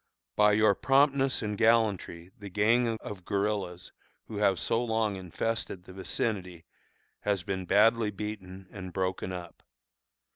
By your promptness and gallantry the gang of guerillas who have so long infested the vicinity has been badly beaten and broken up.